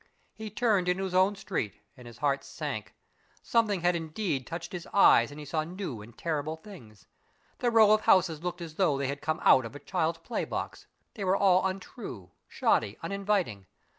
He turned into his own street and his heart sank. Something had indeed touched his eyes and he saw new and terrible things. The row of houses looked as though they had come out of a child's playbox. They were all untrue, shoddy, uninviting.